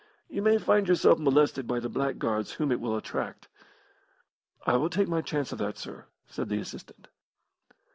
You may find yourself molested by the blackguards whom it will attract." "I will take my chance of that, sir," said the assistant.